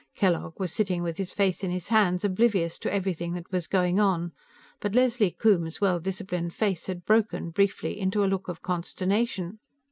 Kellogg was sitting with his face in his hands, oblivious to everything that was going on, but Leslie Coombes's well disciplined face had broken, briefly, into a look of consternation.